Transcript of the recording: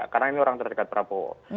karena ini orang terdekat prabowo